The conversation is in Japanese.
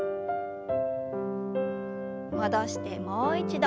戻してもう一度。